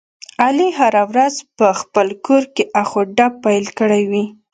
علي هره ورځ په خپل کورکې اخ او ډب پیل کړی وي.